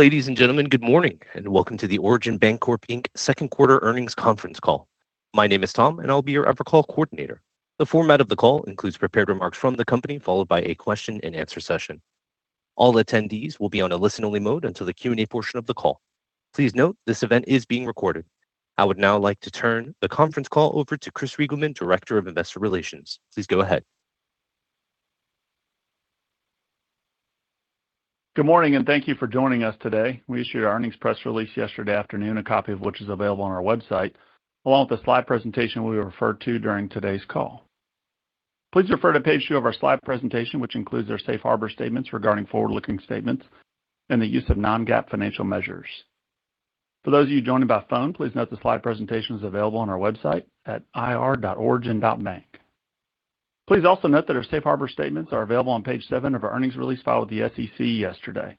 Ladies and gentlemen, good morning, and welcome to the Origin Bancorp, Inc. second quarter earnings conference call. My name is Tom, and I will be your Evercall coordinator. The format of the call includes prepared remarks from the company, followed by a question and answer session. All attendees will be on a listen-only mode until the Q&A portion of the call. Please note this event is being recorded. I would now like to turn the conference call over to Chris Reigelman, Director of Investor Relations. Please go ahead. Good morning, thank you for joining us today. We issued our earnings press release yesterday afternoon, a copy of which is available on our website, along with the slide presentation we refer to during today's call. Please refer to page two of our slide presentation, which includes our safe harbor statements regarding forward-looking statements and the use of non-GAAP financial measures. For those of you joining by phone, please note the slide presentation is available on our website at ir.origin.bank. Please also note that our safe harbor statements are available on page seven of our earnings release filed with the SEC yesterday.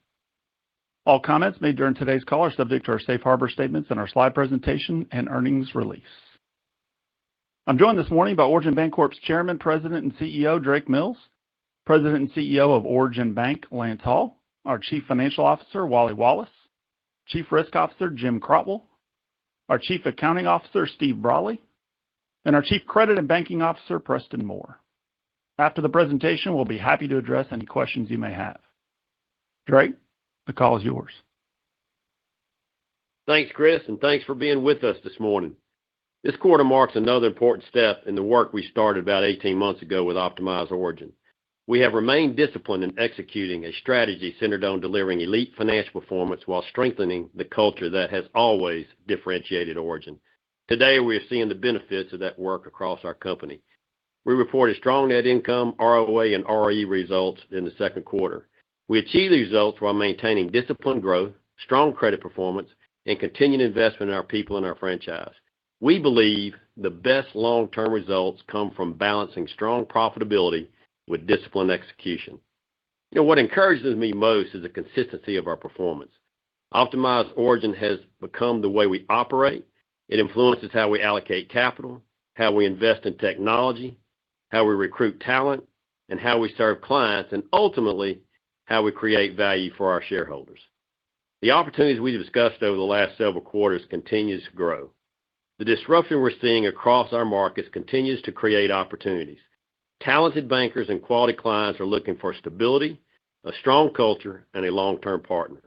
All comments made during today's call are subject to our safe harbor statements and our slide presentation and earnings release. I am joined this morning by Origin Bancorp's Chairman, President, and CEO, Drake Mills, President and CEO of Origin Bank, Lance Hall, our Chief Financial Officer, Wally Wallace, Chief Risk Officer, Jim Crotwell, our Chief Accounting Officer, Steve Brolly, and our Chief Credit and Banking Officer, Preston Moore. After the presentation, we will be happy to address any questions you may have. Drake, the call is yours. Thanks, Chris, thanks for being with us this morning. This quarter marks another important step in the work we started about 18 months ago with Optimize Origin. We have remained disciplined in executing a strategy centered on delivering elite financial performance while strengthening the culture that has always differentiated Origin. Today, we are seeing the benefits of that work across our company. We report a strong net income, ROA, and ROE results in the second quarter. We achieve these results while maintaining disciplined growth, strong credit performance, and continued investment in our people and our franchise. We believe the best long-term results come from balancing strong profitability with disciplined execution. What encourages me most is the consistency of our performance. Optimize Origin has become the way we operate. It influences how we allocate capital, how we invest in technology, how we recruit talent, and how we serve clients, and ultimately, how we create value for our shareholders. The opportunities we discussed over the last several quarters continues to grow. The disruption we're seeing across our markets continues to create opportunities. Talented bankers and quality clients are looking for stability, a strong culture, and a long-term partner.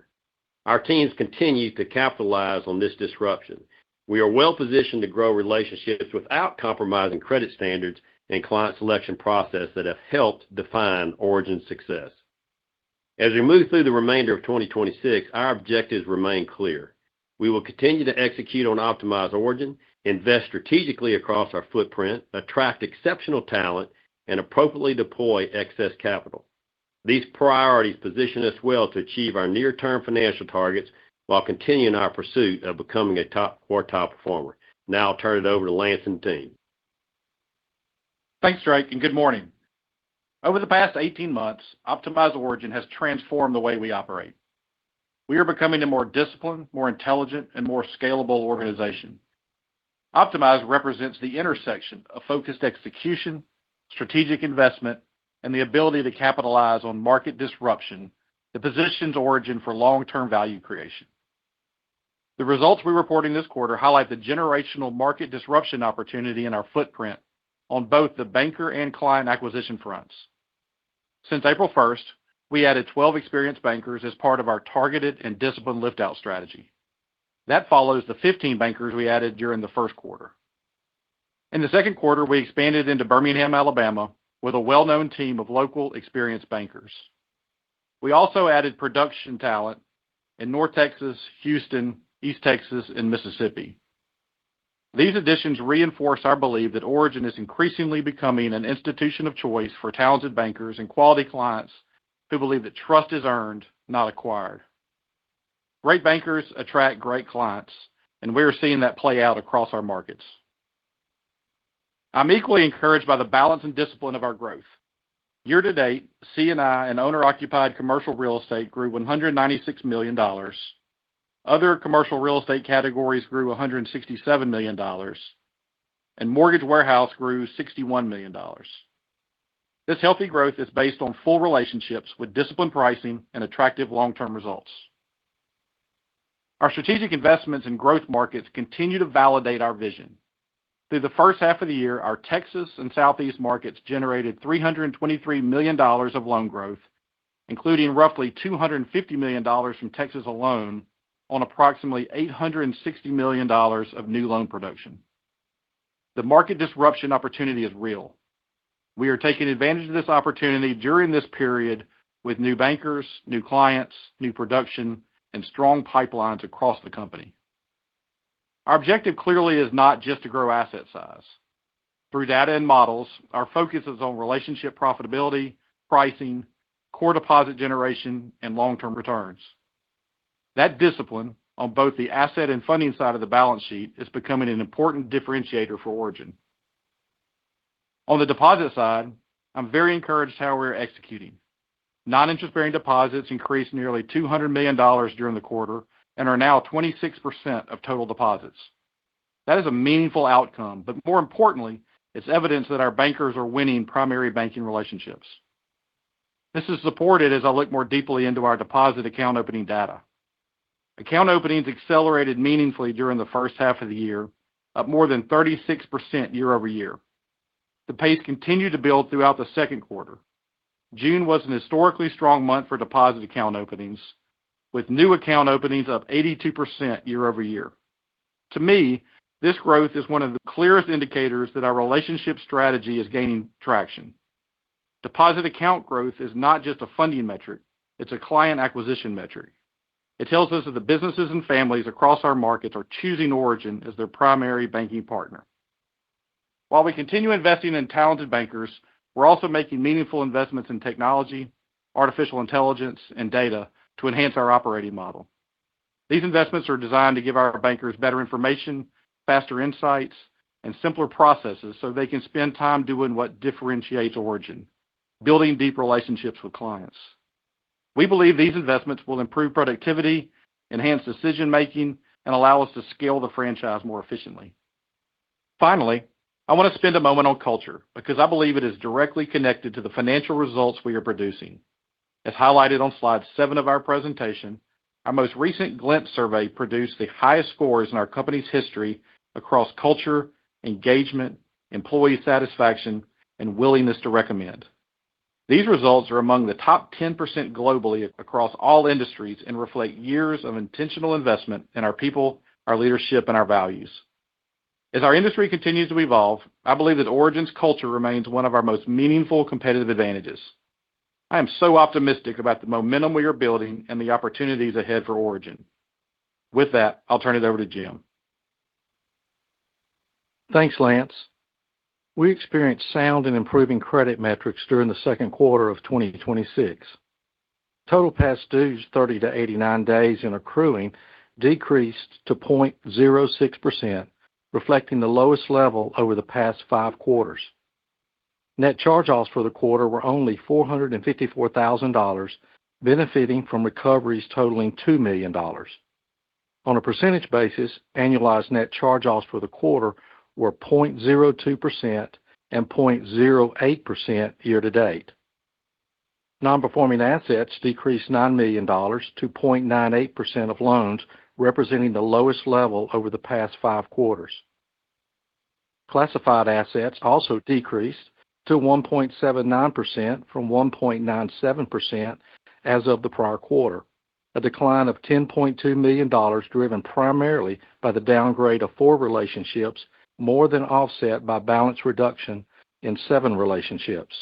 Our teams continue to capitalize on this disruption. We are well-positioned to grow relationships without compromising credit standards and client selection process that have helped define Origin's success. As we move through the remainder of 2026, our objectives remain clear. We will continue to execute on Optimize Origin, invest strategically across our footprint, attract exceptional talent, and appropriately deploy excess capital. These priorities position us well to achieve our near-term financial targets while continuing our pursuit of becoming a top quartile performer. Now I'll turn it over to Lance and team. Thanks, Drake, and good morning. Over the past 18 months, Optimize Origin has transformed the way we operate. We are becoming a more disciplined, more intelligent, and more scalable organization. Optimize represents the intersection of focused execution, strategic investment, and the ability to capitalize on market disruption that positions Origin for long-term value creation. The results we report in this quarter highlight the generational market disruption opportunity in our footprint on both the banker and client acquisition fronts. Since April 1st, we added 12 experienced bankers as part of our targeted and disciplined lift-out strategy. That follows the 15 bankers we added during the first quarter. In the second quarter, we expanded into Birmingham, Alabama, with a well-known team of local experienced bankers. We also added production talent in North Texas, Houston, East Texas, and Mississippi. These additions reinforce our belief that Origin is increasingly becoming an institution of choice for talented bankers and quality clients who believe that trust is earned, not acquired. Great bankers attract great clients, and we are seeing that play out across our markets. I'm equally encouraged by the balance and discipline of our growth. Year-to-date, C&I and owner-occupied commercial real estate grew $196 million. Other commercial real estate categories grew $167 million, and mortgage warehouse grew $61 million. This healthy growth is based on full relationships with disciplined pricing and attractive long-term results. Our strategic investments in growth markets continue to validate our vision. Through the first half of the year, our Texas and Southeast markets generated $323 million of loan growth, including roughly $250 million from Texas alone on approximately $860 million of new loan production. The market disruption opportunity is real. We are taking advantage of this opportunity during this period with new bankers, new clients, new production, and strong pipelines across the company. Our objective clearly is not just to grow asset size. Through data and models, our focus is on relationship profitability, pricing, core deposit generation, and long-term returns. That discipline on both the asset and funding side of the balance sheet is becoming an important differentiator for Origin. On the deposit side, I'm very encouraged how we are executing. Noninterest-bearing deposits increased nearly $200 million during the quarter and are now 26% of total deposits That is a meaningful outcome. More importantly, it's evidence that our bankers are winning primary banking relationships. This is supported as I look more deeply into our deposit account opening data. Account openings accelerated meaningfully during the first half of the year, up more than 36% year-over-year. The pace continued to build throughout the second quarter. June was an historically strong month for deposit account openings, with new account openings up 82% year-over-year. To me, this growth is one of the clearest indicators that our relationship strategy is gaining traction. Deposit account growth is not just a funding metric, it's a client acquisition metric. It tells us that the businesses and families across our markets are choosing Origin as their primary banking partner. While we continue investing in talented bankers, we're also making meaningful investments in technology, artificial intelligence, and data to enhance our operating model. These investments are designed to give our bankers better information, faster insights, and simpler processes so they can spend time doing what differentiates Origin, building deep relationships with clients. We believe these investments will improve productivity, enhance decision-making, and allow us to scale the franchise more efficiently. Finally, I want to spend a moment on culture because I believe it is directly connected to the financial results we are producing. As highlighted on slide seven of our presentation, our most recent Glint survey produced the highest scores in our company's history across culture, engagement, employee satisfaction, and willingness to recommend. These results are among the top 10% globally across all industries and reflect years of intentional investment in our people, our leadership, and our values. As our industry continues to evolve, I believe that Origin's culture remains one of our most meaningful competitive advantages. I am so optimistic about the momentum we are building and the opportunities ahead for Origin. With that, I'll turn it over to Jim. Thanks, Lance. We experienced sound and improving credit metrics during the second quarter of 2026. Total past dues 30 to 89 days and accruing decreased to 0.06%, reflecting the lowest level over the past five quarters. Net charge-offs for the quarter were only $454,000, benefiting from recoveries totaling $2 million. On a percentage basis, annualized net charge-offs for the quarter were 0.02% and 0.08% year-to-date. Non-performing assets decreased $9 million to 0.98% of loans, representing the lowest level over the past five quarters. Classified assets also decreased to 1.79% from 1.97% as of the prior quarter, a decline of $10.2 million driven primarily by the downgrade of four relationships, more than offset by balance reduction in seven relationships.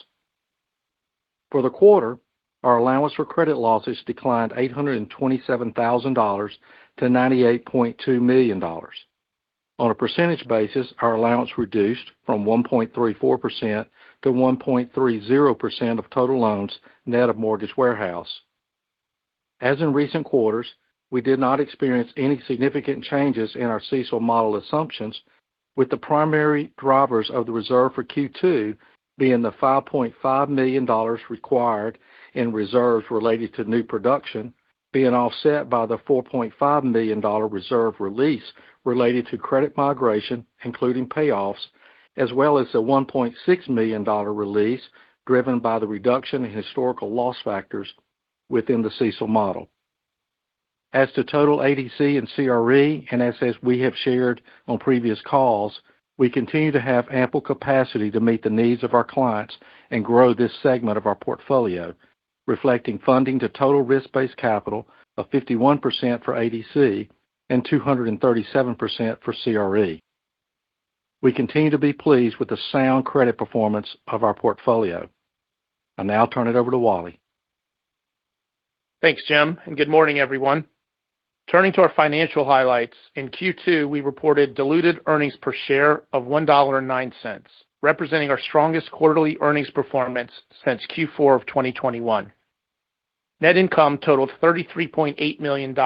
For the quarter, our allowance for credit losses declined $827,000-98.2 million. On a percentage basis, our allowance reduced from 1.34% to 1.30% of total loans, net of mortgage warehouse. As in recent quarters, we did not experience any significant changes in our CECL model assumptions with the primary drivers of the reserve for Q2 being the $5.5 million required in reserves related to new production being offset by the $4.5 million reserve release related to credit migration, including payoffs, as well as the $1.6 million release driven by the reduction in historical loss factors within the CECL model. As to total ADC and CRE, as we have shared on previous calls, we continue to have ample capacity to meet the needs of our clients and grow this segment of our portfolio, reflecting funding to total risk-based capital of 51% for ADC and 237% for CRE. We continue to be pleased with the sound credit performance of our portfolio. I'll now turn it over to Wally. Thanks, Jim. Good morning, everyone. Turning to our financial highlights, in Q2, we reported diluted earnings per share of $1.09, representing our strongest quarterly earnings performance since Q4 of 2021. Net income totaled $33.8 million,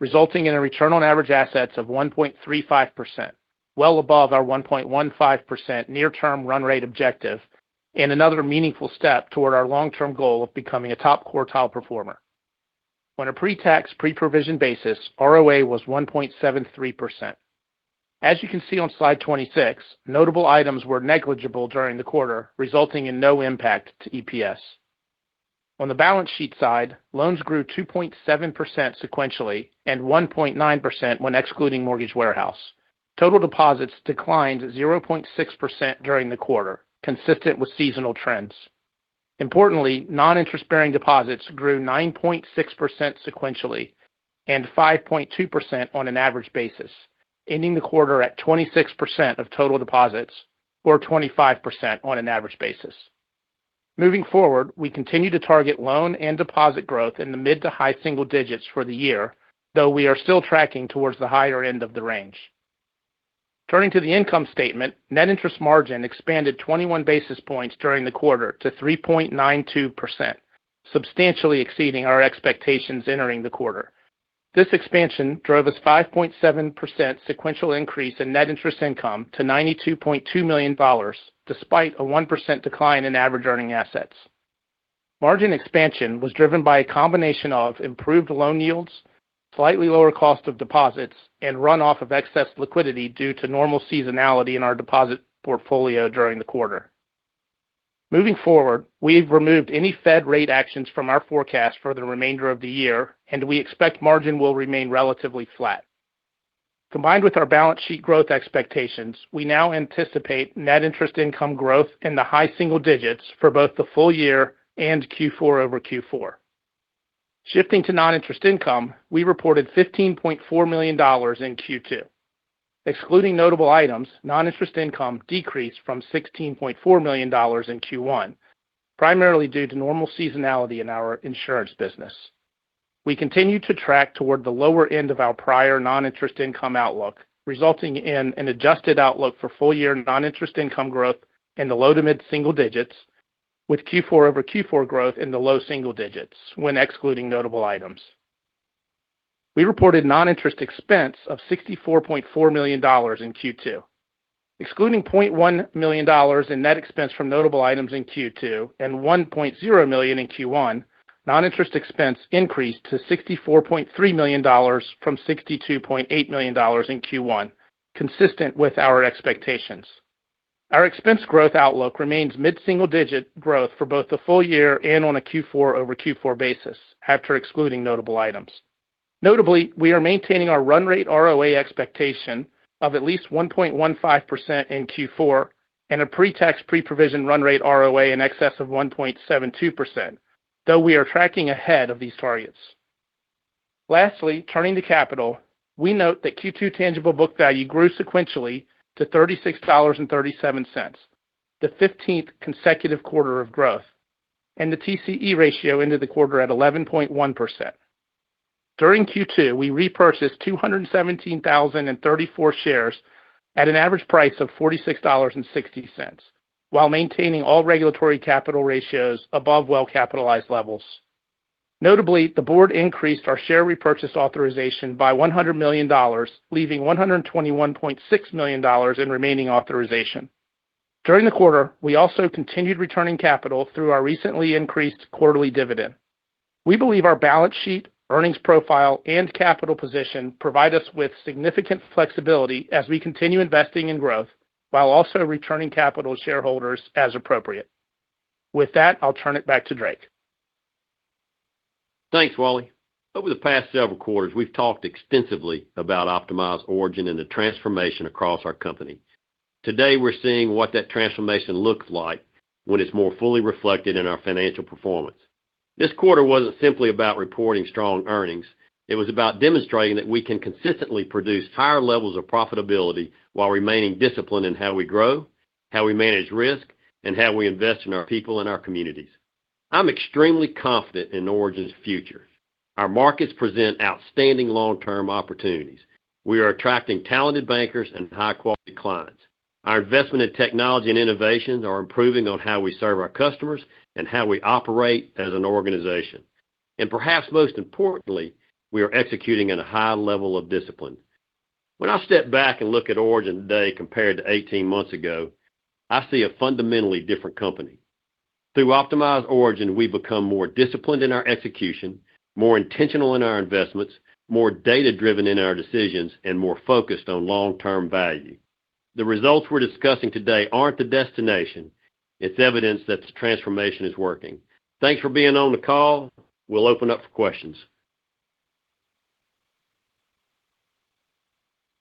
resulting in a return on average assets of 1.35%, well above our 1.15% near term run rate objective and another meaningful step toward our long-term goal of becoming a top quartile performer. On a pre-tax, pre-provision basis, ROA was 1.73%. As you can see on slide 26, notable items were negligible during the quarter, resulting in no impact to EPS. On the balance sheet side, loans grew 2.7% sequentially and 1.9% when excluding mortgage warehouse. Total deposits declined 0.6% during the quarter, consistent with seasonal trends. Importantly, non-interest-bearing deposits grew 9.6% sequentially and 5.2% on an average basis, ending the quarter at 26% of total deposits, or 25% on an average basis. Moving forward, we continue to target loan and deposit growth in the mid to high single digits for the year, though we are still tracking towards the higher end of the range. Turning to the income statement, net interest margin expanded 21 basis points during the quarter to 3.92%, substantially exceeding our expectations entering the quarter. This expansion drove a 5.7% sequential increase in net interest income to $92.2 million, despite a 1% decline in average earning assets. Margin expansion was driven by a combination of improved loan yields, slightly lower cost of deposits, and runoff of excess liquidity due to normal seasonality in our deposit portfolio during the quarter. Moving forward, we've removed any Fed rate actions from our forecast for the remainder of the year, and we expect margin will remain relatively flat. Combined with our balance sheet growth expectations, we now anticipate net interest income growth in the high single digits for both the full year and Q4 over Q4. Shifting to non-interest income, we reported $15.4 million in Q2. Excluding notable items, non-interest income decreased from $16.4 million in Q1, primarily due to normal seasonality in our insurance business. We continue to track toward the lower end of our prior non-interest income outlook, resulting in an adjusted outlook for full-year non-interest income growth in the low to mid-single digits with Q4-over-Q4 growth in the low single digits when excluding notable items. We reported non-interest expense of $64.4 million in Q2. Excluding $0.1 million in net expense from notable items in Q2 and $1.0 million in Q1, non-interest expense increased to $64.3 million from $62.8 million in Q1, consistent with our expectations. Our expense growth outlook remains mid-single digit growth for both the full year and on a Q4-over-Q4 basis after excluding notable items. Notably, we are maintaining our run rate ROA expectation of at least 1.15% in Q4 and a pre-tax, pre-provision run rate ROA in excess of 1.72%, though we are tracking ahead of these targets. Turning to capital, we note that Q2 tangible book value grew sequentially to $36.37, the 15th consecutive quarter of growth, and the TCE ratio into the quarter at 11.1%. During Q2, we repurchased 217,034 shares at an average price of $46.60 while maintaining all regulatory capital ratios above well-capitalized levels. Notably, the board increased our share repurchase authorization by $100 million, leaving $121.6 million in remaining authorization. During the quarter, we also continued returning capital through our recently increased quarterly dividend. We believe our balance sheet, earnings profile, and capital position provide us with significant flexibility as we continue investing in growth while also returning capital to shareholders as appropriate. With that, I'll turn it back to Drake. Thanks, Wally. Over the past several quarters, we've talked extensively about Optimize Origin and the transformation across our company. Today, we're seeing what that transformation looks like when it's more fully reflected in our financial performance. This quarter wasn't simply about reporting strong earnings. It was about demonstrating that we can consistently produce higher levels of profitability while remaining disciplined in how we grow, how we manage risk, and how we invest in our people and our communities. I'm extremely confident in Origin's future. Our markets present outstanding long-term opportunities. We are attracting talented bankers and high-quality clients. Our investment in technology and innovations are improving on how we serve our customers and how we operate as an organization. Perhaps most importantly, we are executing at a high level of discipline. When I step back and look at Origin today compared to 18 months ago, I see a fundamentally different company. Through Optimize Origin, we've become more disciplined in our execution, more intentional in our investments, more data-driven in our decisions, and more focused on long-term value. The results we're discussing today aren't the destination. It's evidence that the transformation is working. Thanks for being on the call. We'll open up for questions.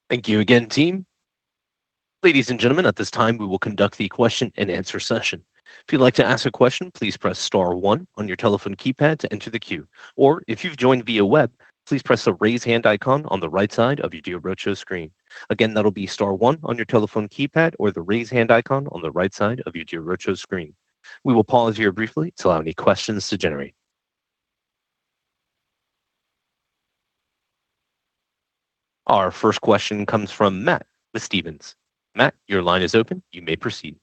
Thank you again, team. Ladies and gentlemen, at this time, we will conduct the question and answer session. If you'd like to ask a question, please press star 1 on your telephone keypad to enter the queue. Or if you've joined via web, please press the raise hand icon on the right side of your virtual screen. Again, that'll be star 1 on your telephone keypad or the raise hand icon on the right side of your virtual screen. We will pause here briefly to allow any questions to generate. Our first question comes from Matt with Stephens. Matt, your line is open. You may proceed.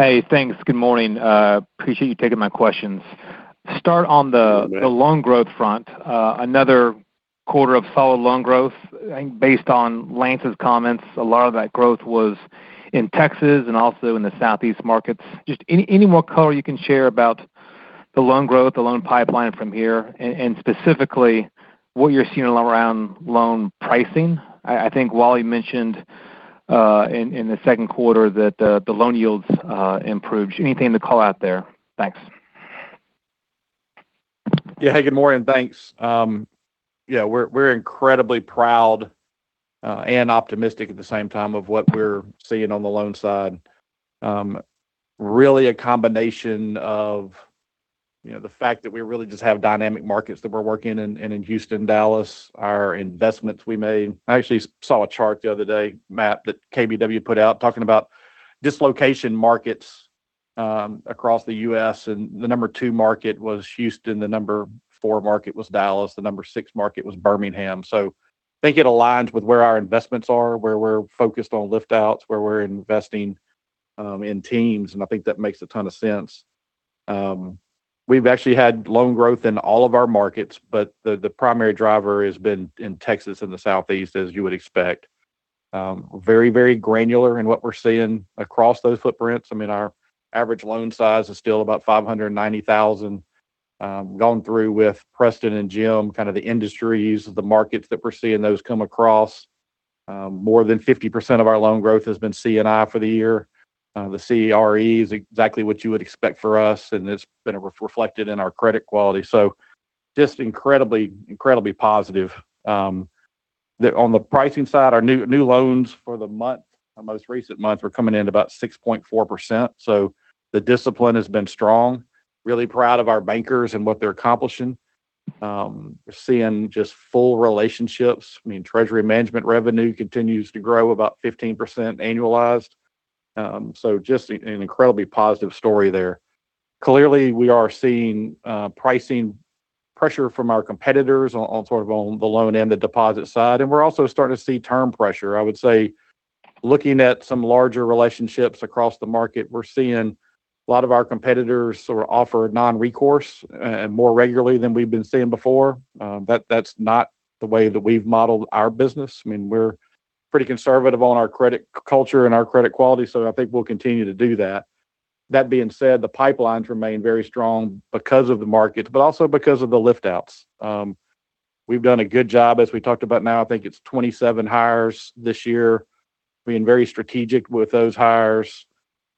Hey, thanks. Good morning. Appreciate you taking my questions. You bet The loan growth front. Another quarter of solid loan growth. I think based on Lance's comments, a lot of that growth was in Texas and also in the Southeast markets. Just any more color you can share about the loan growth, the loan pipeline from here, and specifically what you're seeing around loan pricing. I think Wally mentioned in the second quarter that the loan yields improved. Anything to call out there? Thanks. Hey, good morning. Thanks. We're incredibly proud and optimistic at the same time of what we're seeing on the loan side. Really a combination of the fact that we really just have dynamic markets that we're working in Houston, Dallas, our investments we made. I actually saw a chart the other day, Matt, that KBW put out talking about dislocation markets across the U.S., and the number two market was Houston, the number 4 market was Dallas, the number 6 market was Birmingham. I think it aligns with where our investments are, where we're focused on lift-outs, where we're investing in teams, and I think that makes a ton of sense. We've actually had loan growth in all of our markets, but the primary driver has been in Texas and the Southeast, as you would expect. Very, very granular in what we're seeing across those footprints. Our average loan size is still about $590,000. Going through with Preston and Jim, the industries, the markets that we're seeing those come across. More than 50% of our loan growth has been C&I for the year. The CRE is exactly what you would expect for us, and it's been reflected in our credit quality. Just incredibly positive. On the pricing side, our new loans for the most recent month are coming in about 6.4%, the discipline has been strong. Really proud of our bankers and what they're accomplishing. We're seeing just full relationships. Treasury management revenue continues to grow about 15% annualized. Just an incredibly positive story there. Clearly, we are seeing pricing pressure from our competitors on the loan and the deposit side, and we're also starting to see term pressure. I would say, looking at some larger relationships across the market, we're seeing a lot of our competitors offer non-recourse more regularly than we've been seeing before. That's not the way that we've modeled our business. We're pretty conservative on our credit culture and our credit quality, so I think we'll continue to do that. That being said, the pipelines remain very strong because of the market, but also because of the lift-outs. We've done a good job, as we talked about now, I think it's 27 hires this year, being very strategic with those hires.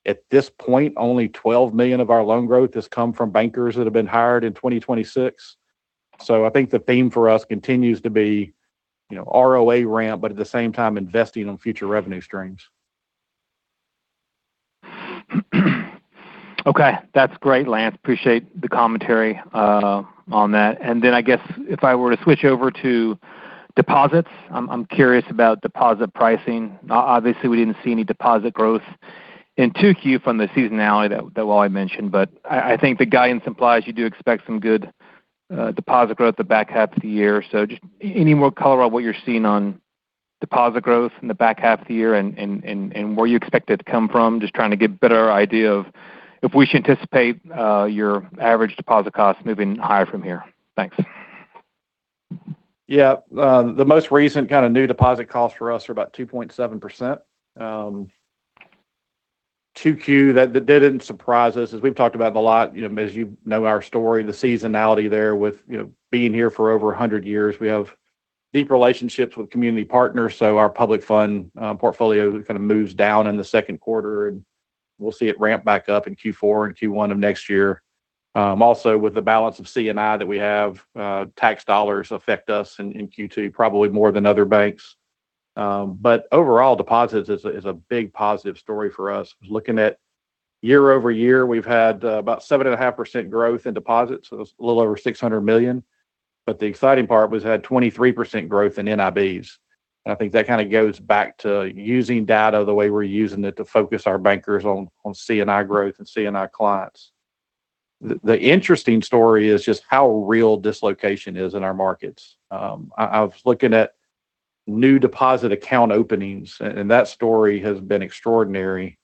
At this point, only $12 million of our loan growth has come from bankers that have been hired in 2026. I think the theme for us continues to be ROA ramp, but at the same time, investing in future revenue streams. Okay. That's great, Lance. Appreciate the commentary on that. I guess if I were to switch over to deposits, I'm curious about deposit pricing. Obviously, we didn't see any deposit growth in 2Q from the seasonality that Wally mentioned, but I think the guidance implies you do expect some good deposit growth the back half of the year. Just any more color on what you're seeing on deposit growth in the back half of the year and where you expect it to come from? Just trying to get a better idea of if we should anticipate your average deposit costs moving higher from here. Thanks. The most recent kind of new deposit costs for us are about 2.7%. 2Q, that didn't surprise us, as we've talked about a lot, as you know our story, the seasonality there with being here for over 100 years. We have deep relationships with community partners, so our public fund portfolio kind of moves down in the second quarter, and we'll see it ramp back up in Q4 and Q1 of next year. Also, with the balance of C&I that we have, tax dollars affect us in 2Q probably more than other banks. Overall deposits is a big positive story for us. Looking at year-over-year, we've had about 7.5% growth in deposits, so it's a little over $600 million. The exciting part was that 23% growth in NIBs. I think that kind of goes back to using data the way we're using it to focus our bankers on C&I growth and C&I clients. The interesting story is just how real dislocation is in our markets. I was looking at new deposit account openings, and that story has been extraordinary.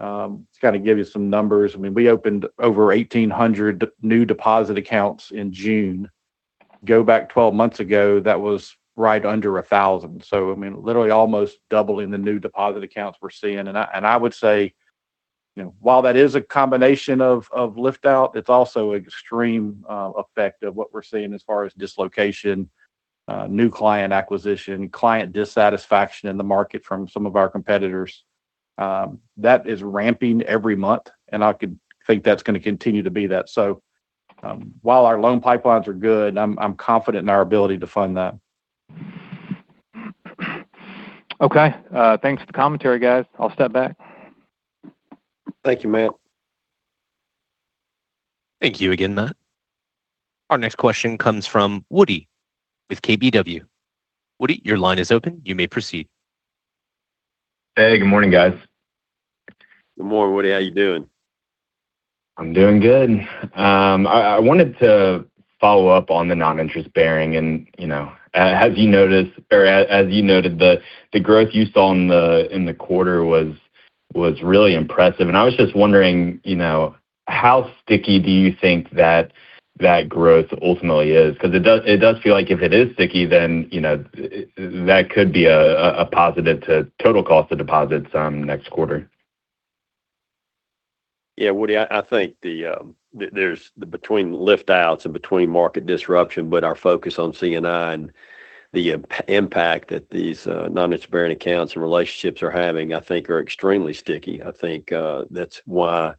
To kind of give you some numbers, we opened over 1,800 new deposit accounts in June. Go back 12 months ago, that was right under 1,000. Literally almost doubling the new deposit accounts we're seeing. I would say, while that is a combination of lift-out, it's also extreme effect of what we're seeing as far as dislocation, new client acquisition, client dissatisfaction in the market from some of our competitors. That is ramping every month, and I think that's going to continue to be that. While our loan pipelines are good, I'm confident in our ability to fund that. Okay. Thanks for the commentary, guys. I'll step back. Thank you, Matt. Thank you again, Matt. Our next question comes from Woody with KBW. Woody, your line is open. You may proceed. Hey, good morning, guys. Good morning, Woody. How you doing? I'm doing good. I wanted to follow up on the noninterest-bearing, as you noted, the growth you saw in the quarter was really impressive. I was just wondering, how sticky do you think that growth ultimately is? Because it does feel like if it is sticky, that could be a positive to total cost of deposits next quarter. Yeah, Woody, I think between lift-outs and between market disruption, our focus on C&I and the impact that these noninterest-bearing accounts and relationships are having, I think, are extremely sticky. I think that's why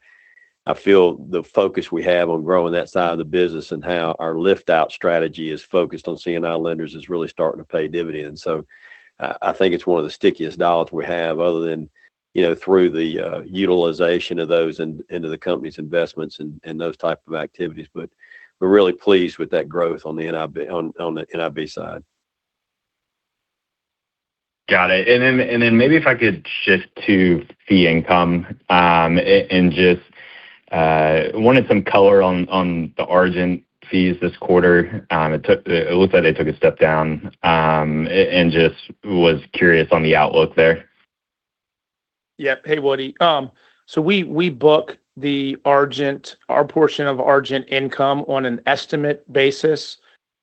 I feel the focus we have on growing that side of the business and how our lift-out strategy is focused on C&I lenders is really starting to pay dividends. I think it's one of the stickiest dollars we have other than through the utilization of those into the company's investments and those type of activities. We're really pleased with that growth on the NIB side. Got it. Maybe if I could shift to fee income, and just wanted some color on the Origin fees this quarter. It looks like they took a step down, and just was curious on the outlook there. Hey, Woody. We book our portion of Argent income on an estimate basis,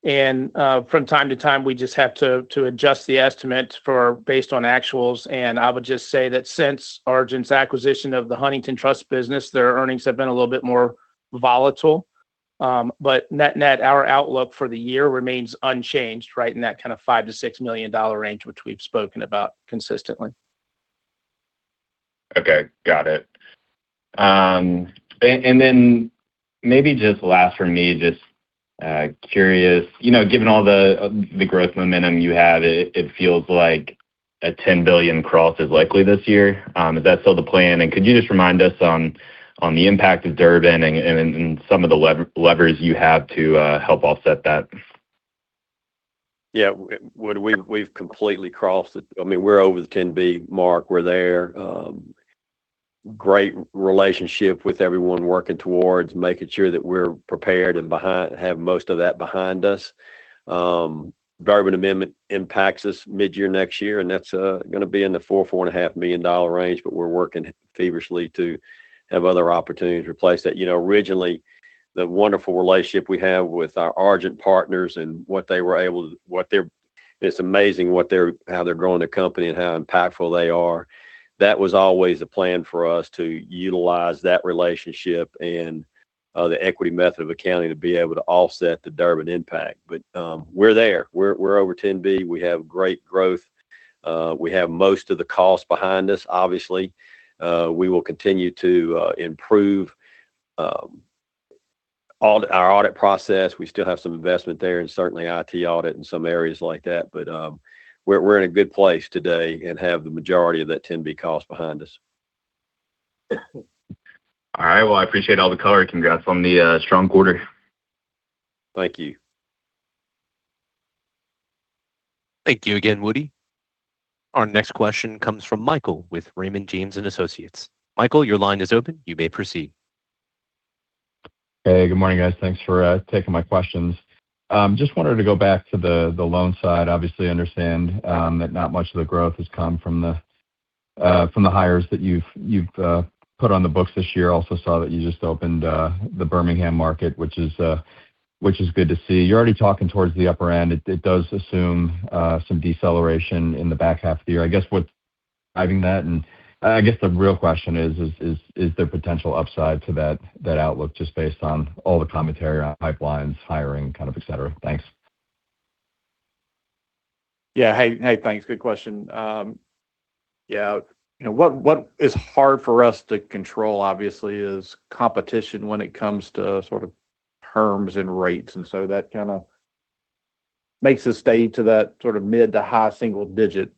and from time to time, we just have to adjust the estimate based on actuals. I would just say that since Argent's acquisition of the Huntington Trust business, their earnings have been a little bit more volatile. Net-net, our outlook for the year remains unchanged, right in that kind of $5-$6 million range, which we've spoken about consistently. Okay, got it. Maybe just last from me, just curious, given all the growth momentum you have, it feels like a $10 billion cross is likely this year. Is that still the plan? Could you just remind us on the impact of Durbin and some of the levers you have to help offset that? Woody, we've completely crossed it. We're over the $10B mark. We're there. Great relationship with everyone working towards making sure that we're prepared and have most of that behind us. Durbin Amendment impacts us mid-year next year, and that's going to be in the $4 million-$4.5 million range, but we're working feverishly to have other opportunities to replace that. Originally, the wonderful relationship we have with our Argent partners, it's amazing how they're growing their company and how impactful they are. That was always the plan for us, to utilize that relationship and the equity method of accounting to be able to offset the Durbin impact. We're there. We're over $10B. We have great growth. We have most of the cost behind us, obviously. We will continue to improve our audit process. We still have some investment there, and certainly IT audit and some areas like that. We're in a good place today and have the majority of that $10 billion cost behind us. All right. Well, I appreciate all the color. Congrats on the strong quarter. Thank you. Thank you again, Woody. Our next question comes from Michael with Raymond James & Associates. Michael, your line is open. You may proceed. Hey, good morning, guys. Thanks for taking my questions. Just wanted to go back to the loans side. Obviously, I understand that not much of the growth has come from the hires that you've put on the books this year. I also saw that you just opened the Birmingham market, which is good to see. You're already talking towards the upper end. It does assume some deceleration in the back half of the year. I guess what driving that, I guess the real question is there potential upside to that outlook just based on all the commentary on pipelines, hiring, et cetera? Thanks. Yeah. Hey, thanks. Good question. What is hard for us to control, obviously, is competition when it comes to terms and rates, that kind of makes us stay to that mid to high single digit.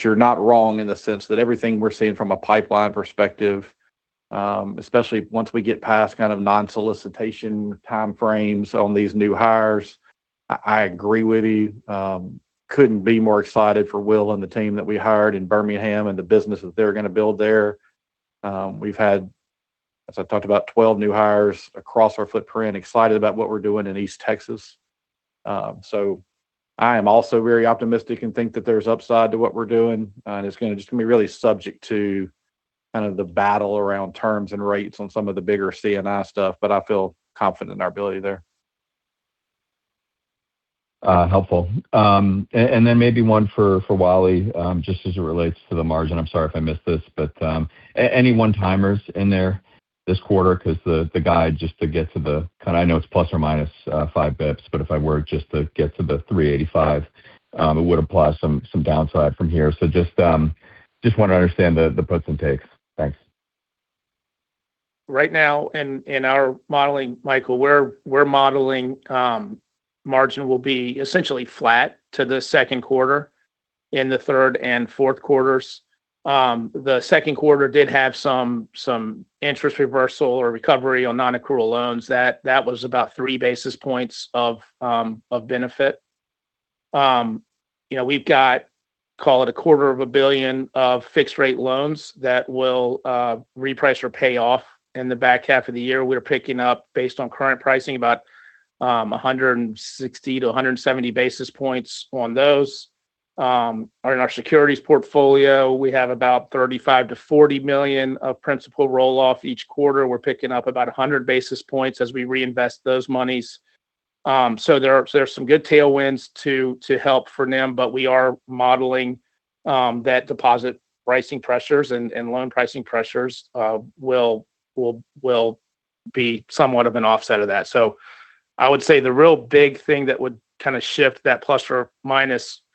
You're not wrong in the sense that everything we're seeing from a pipeline perspective, especially once we get past kind of non-solicitation time frames on these new hires, I agree with you. Couldn't be more excited for Will and the team that we hired in Birmingham and the business that they're going to build there. We've had, as I talked about, 12 new hires across our footprint, excited about what we're doing in East Texas. I am also very optimistic and think that there's upside to what we're doing, it's going to just be really subject to kind of the battle around terms and rates on some of the bigger C&I stuff. I feel confident in our ability there. Helpful. Maybe one for Wally, just as it relates to the margin. I'm sorry if I missed this, any one-timers in there this quarter? The guide, just to get to the kind of, I know it's plus or minus five basis points, if I were just to get to the 385, it would imply some downside from here. Just want to understand the puts and takes. Thanks. Right now in our modeling, Michael, we're modeling margin will be essentially flat to the second quarter and the third and fourth quarters. The second quarter did have some interest reversal or recovery on non-accrual loans. That was about three basis points of benefit. We've got, call it a quarter of a billion of fixed-rate loans that will reprice or pay off in the back half of the year. We're picking up, based on current pricing, about 160-170 basis points on those. In our securities portfolio, we have about $35 million-$40 million of principal roll-off each quarter. We're picking up about 100 basis points as we reinvest those monies. There's some good tailwinds to help for NIM, but we are modeling that deposit pricing pressures and loan pricing pressures will be somewhat of an offset of that. I would say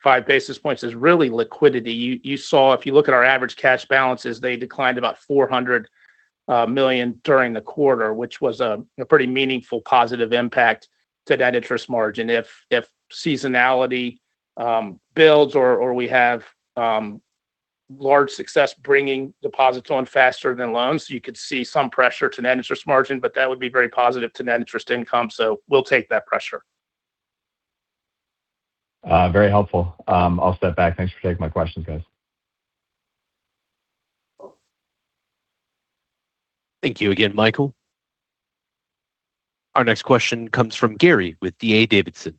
the real big thing that would kind of shift that ±5 basis points is really liquidity. You saw, if you look at our average cash balances, they declined about $400 million during the quarter, which was a pretty meaningful positive impact to net interest margin. If seasonality builds or we have large success bringing deposits on faster than loans, you could see some pressure to net interest margin, but that would be very positive to net interest income. We'll take that pressure. Very helpful. I'll step back. Thanks for taking my questions, guys. Thank you again, Michael. Our next question comes from Gary with D.A. Davidson.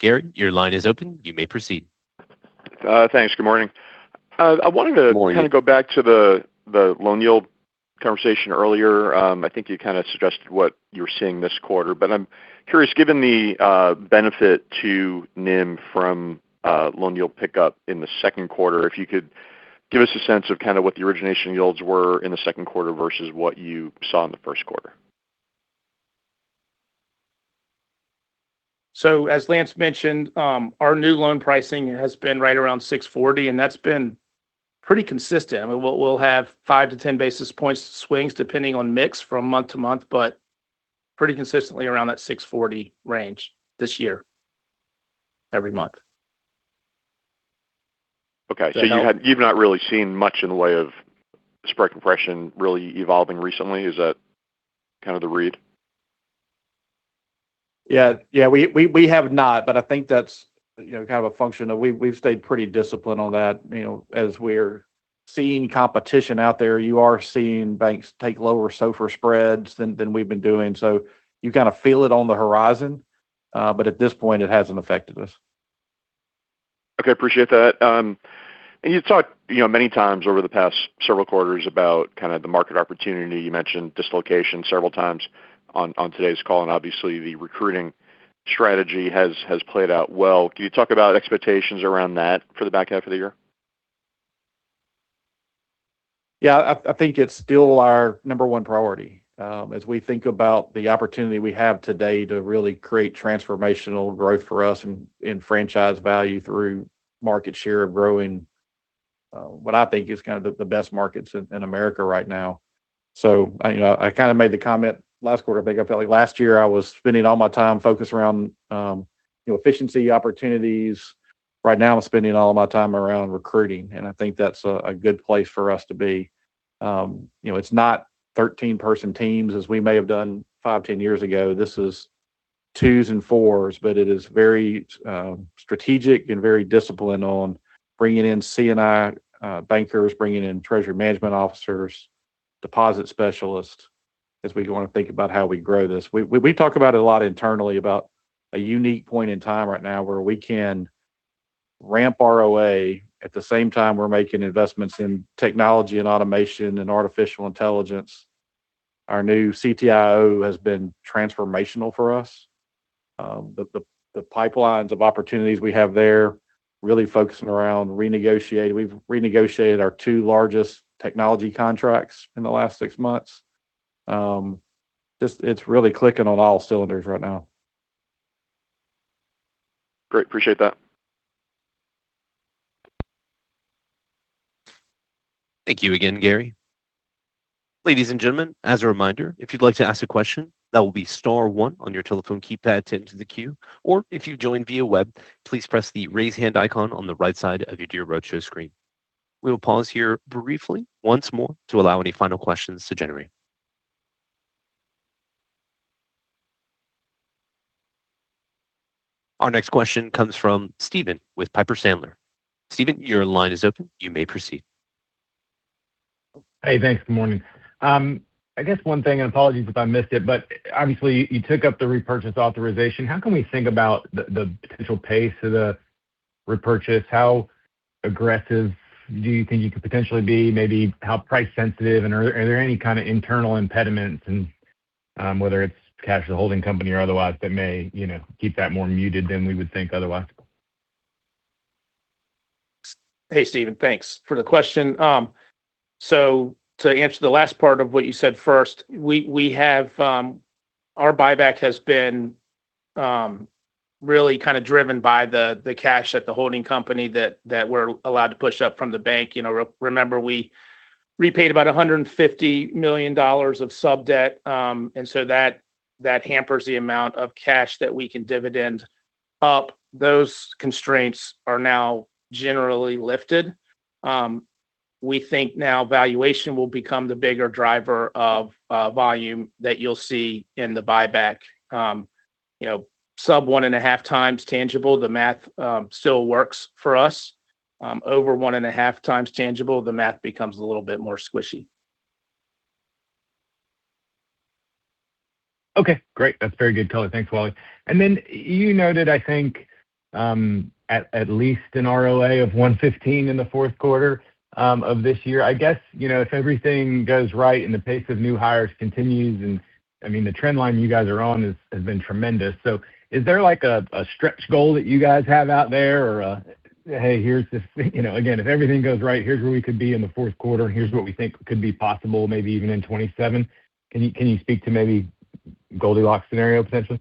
Gary, your line is open. You may proceed. Thanks. Good morning. Good morning kind of go back to the loan yield conversation earlier. I think you kind of suggested what you're seeing this quarter, but I'm curious, given the benefit to NIM from loan yield pickup in the second quarter, if you could give us a sense of kind of what the origination yields were in the second quarter versus what you saw in the first quarter. As Lance mentioned, our new loan pricing has been right around 640, and that's been pretty consistent. I mean, we'll have five to 10 basis points swings depending on mix from month to month, but pretty consistently around that 640 range this year every month. Okay. You've not really seen much in the way of spread compression really evolving recently. Is that kind of the read? Yeah. We have not, but I think that's kind of a function of we've stayed pretty disciplined on that. As we're seeing competition out there, you are seeing banks take lower SOFR spreads than we've been doing. You kind of feel it on the horizon. At this point it hasn't affected us. Okay. Appreciate that. You talked many times over the past several quarters about the market opportunity. You mentioned dislocation several times on today's call, and obviously the recruiting strategy has played out well. Can you talk about expectations around that for the back half of the year? Yeah. I think it's still our number one priority. As we think about the opportunity we have today to really create transformational growth for us and franchise value through market share of growing what I think is kind of the best markets in America right now. I kind of made the comment last quarter, I think. I felt like last year I was spending all my time focused around efficiency opportunities. Right now I'm spending all of my time around recruiting, and I think that's a good place for us to be. It's not 13-person teams as we may have done five, 10 years ago. This is twos and fours, but it is very strategic and very disciplined on bringing in C&I bankers, bringing in treasury management officers, deposit specialists, as we want to think about how we grow this. We talk about it a lot internally about a unique point in time right now where we can ramp ROA. At the same time, we're making investments in technology and automation and artificial intelligence. Our new CTIO has been transformational for us. The pipelines of opportunities we have there, really focusing around renegotiating. We've renegotiated our two largest technology contracts in the last six months. It's really clicking on all cylinders right now. Great. Appreciate that. Thank you again, Gary. Ladies and gentlemen, as a reminder, if you'd like to ask a question, that will be star one on your telephone keypad to enter the queue, or if you joined via web, please press the raise hand icon on the right side of your Deal Roadshow screen. We will pause here briefly once more to allow any final questions to generate. Our next question comes from Stephen with Piper Sandler. Stephen, your line is open. You may proceed. Hey, thanks. Good morning. I guess one thing, and apologies if I missed it, but obviously you took up the repurchase authorization. How can we think about the potential pace of the repurchase? How aggressive do you think you could potentially be? Maybe how price sensitive, and are there any kind of internal impediments and, whether it's cash, the holding company or otherwise, that may keep that more muted than we would think otherwise? Hey, Stephen. Thanks for the question. To answer the last part of what you said first, our buyback has been really kind of driven by the cash at the holding company that we're allowed to push up from the bank. Remember we repaid about $150 million of sub-debt. That hampers the amount of cash that we can dividend up. Those constraints are now generally lifted. We think now valuation will become the bigger driver of volume that you'll see in the buyback. Sub one and a half times tangible, the math still works for us. Over one and a half times tangible, the math becomes a little bit more squishy. Okay, great. That's very good color. Thanks, Wally. You noted, I think, at least an ROA of 115 in the fourth quarter of this year. I guess, if everything goes right and the pace of new hires continues, I mean, the trend line you guys are on has been tremendous. Is there a stretch goal that you guys have out there? Or a, "Hey, here's this." Again, if everything goes right, here's where we could be in the fourth quarter, and here's what we think could be possible, maybe even in 2027. Can you speak to maybe a Goldilocks scenario, potentially?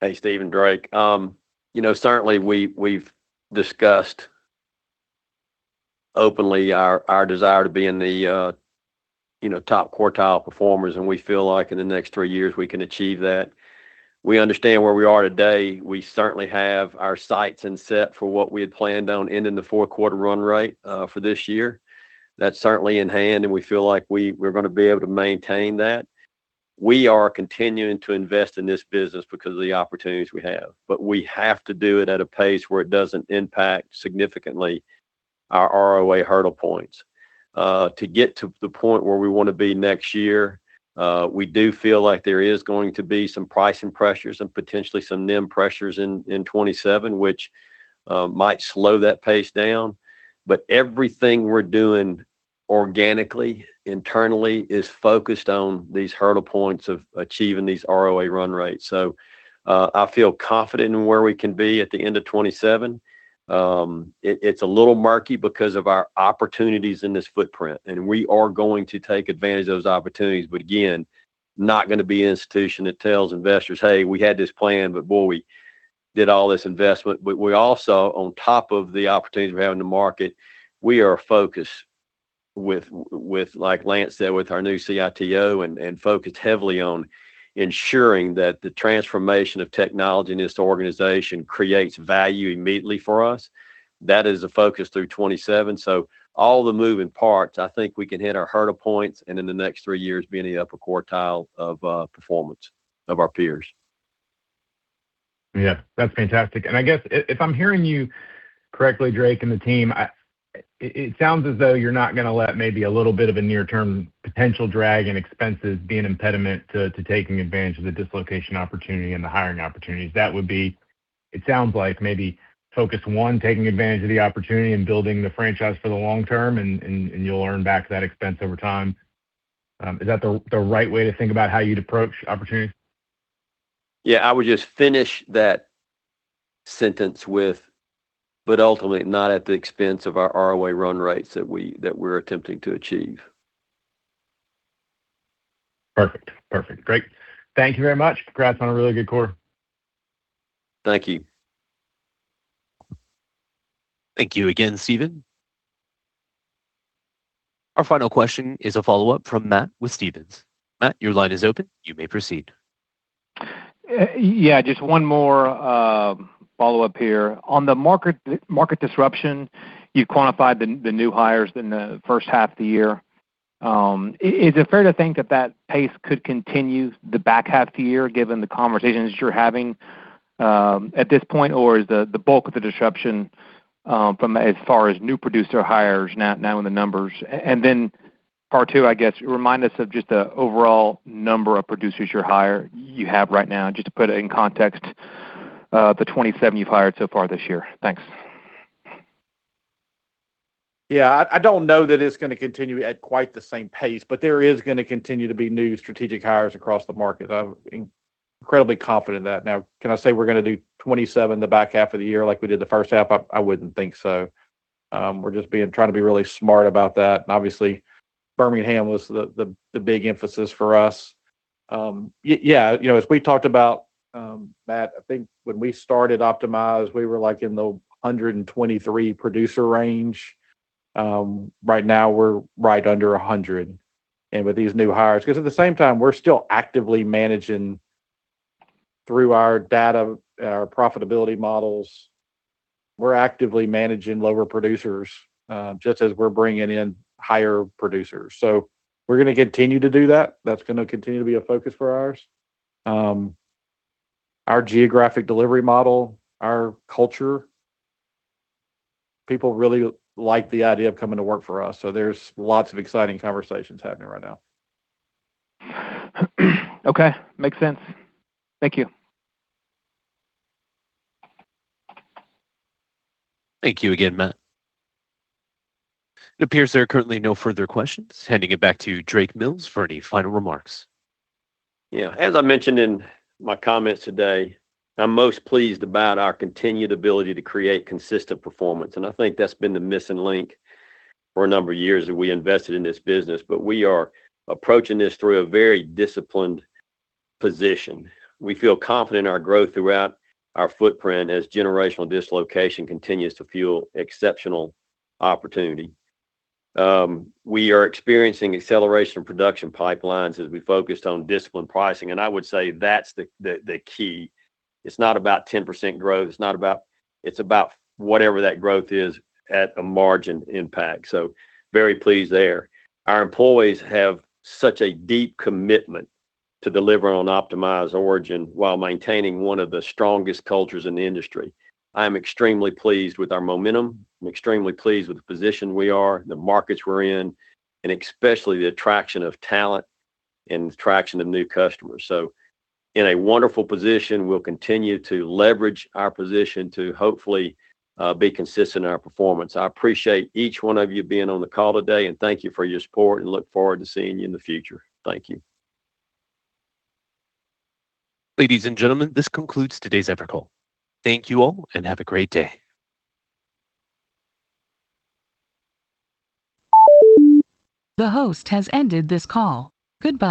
Hey, Stephen. Drake. Certainly, we've discussed openly our desire to be in the top quartile performers, and we feel like in the next three years we can achieve that. We understand where we are today. We certainly have our sights in set for what we had planned on ending the fourth quarter run rate for this year. That's certainly in hand, and we feel like we're going to be able to maintain that. We are continuing to invest in this business because of the opportunities we have. We have to do it at a pace where it doesn't impact significantly our ROA hurdle points. To get to the point where we want to be next year, we do feel like there is going to be some pricing pressures and potentially some NIM pressures in 2027, which might slow that pace down. Everything we're doing organically, internally is focused on these hurdle points of achieving these ROA run rates. I feel confident in where we can be at the end of 2027. It's a little murky because of our opportunities in this footprint, and we are going to take advantage of those opportunities. Again, not going to be an institution that tells investors, "Hey, we had this plan, but boy, we did all this investment." We also, on top of the opportunities we have in the market, we are focused with, like Lance said, with our new CTIO, and focused heavily on ensuring that the transformation of technology in this organization creates value immediately for us. That is a focus through 2027. All the moving parts, I think we can hit our hurdle points and in the next three years be in the upper quartile of performance of our peers. That's fantastic. I guess if I'm hearing you correctly, Drake and the team, it sounds as though you're not going to let maybe a little bit of a near term potential drag and expenses be an impediment to taking advantage of the dislocation opportunity and the hiring opportunities. That would be, it sounds like, maybe focus one, taking advantage of the opportunity and building the franchise for the long term, and you'll earn back that expense over time. Is that the right way to think about how you'd approach opportunities? I would just finish that sentence with, ultimately not at the expense of our ROA run rates that we're attempting to achieve. Perfect. Great. Thank you very much. Congrats on a really good quarter. Thank you. Thank you again, Stephen. Our final question is a follow-up from Matt with Stephens. Matt, your line is open. You may proceed. Yeah, just one more follow-up here. On the market disruption, you quantified the new hires in the first half of the year. Is it fair to think that that pace could continue the back half of the year, given the conversations you're having at this point, or is the bulk of the disruption from as far as new producer hires now in the numbers? Then part two, I guess, remind us of just the overall number of producers you hire, you have right now, just to put it in context, the 27 you've hired so far this year. Thanks. Yeah. I don't know that it's going to continue at quite the same pace, there is going to continue to be new strategic hires across the market. I'm incredibly confident in that. Now, can I say we're going to do 27 the back half of the year like we did the first half? I wouldn't think so. We're just trying to be really smart about that. Obviously Birmingham was the big emphasis for us. Yeah, as we talked about, Matt, I think when we started Optimize, we were in the 123 producer range. Right now, we're right under 100. With these new hires, because at the same time, we're still actively managing through our data, our profitability models. We're actively managing lower producers just as we're bringing in higher producers. We're going to continue to do that. That's going to continue to be a focus for ours. Our geographic delivery model, our culture, people really like the idea of coming to work for us. There's lots of exciting conversations happening right now. Okay. Makes sense. Thank you. Thank you again, Matt. It appears there are currently no further questions. Handing it back to Drake Mills for any final remarks. Yeah. As I mentioned in my comments today, I'm most pleased about our continued ability to create consistent performance. I think that's been the missing link for a number of years that we invested in this business. We are approaching this through a very disciplined position. We feel confident in our growth throughout our footprint as generational dislocation continues to fuel exceptional opportunity. We are experiencing acceleration in production pipelines as we focused on disciplined pricing. I would say that's the key. It's not about 10% growth. It's about whatever that growth is at a margin impact. Very pleased there. Our employees have such a deep commitment to deliver on Optimize Origin while maintaining one of the strongest cultures in the industry. I am extremely pleased with our momentum. I'm extremely pleased with the position we are, the markets we're in, and especially the attraction of talent and attraction of new customers. In a wonderful position. We'll continue to leverage our position to hopefully be consistent in our performance. I appreciate each one of you being on the call today and thank you for your support and look forward to seeing you in the future. Thank you. Ladies and gentlemen, this concludes today's conference call. Thank you all and have a great day.